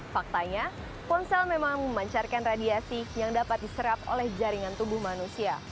faktanya ponsel memang memancarkan radiasi yang dapat diserap oleh jaringan tubuh manusia